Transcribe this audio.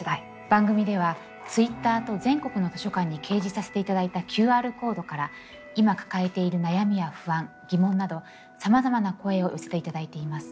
番組ではＴｗｉｔｔｅｒと全国の図書館に掲示させていただいたＱＲコードから今抱えている悩みや不安疑問などさまざまな声を寄せていただいています。